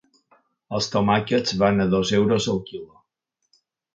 Els tomàquets van a dos euros el quilo.